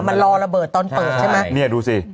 มันรอระเบิดตอนเปิดใช่มั้ย